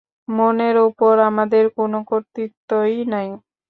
মনের উপর আমাদের কোন কর্তৃত্বই নাই।